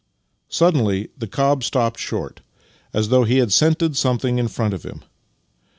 Suddenly the cob stopped short, as though he had scented something in front of him.